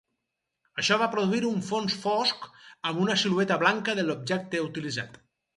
Això va produir un fons fosc amb una silueta blanca del objecte utilitzat.